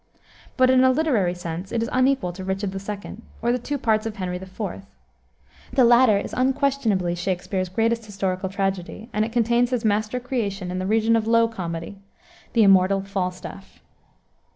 But, in a literary sense, it is unequal to Richard II., or the two parts of Henry IV. The latter is unquestionably Shakspere's greatest historical tragedy, and it contains his master creation in the region of low comedy, the immortal Falstaff.